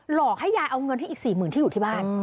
หลอกให้ยายเอาเงินให้อีก๔๐๐๐ที่อยู่ที่บ้าน